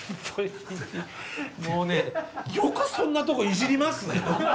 もうねよくそんなとこいじりますね。